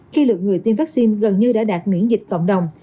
khi lượng người tiêm vaccine gần như đã đạt miễn dịch cộng đồng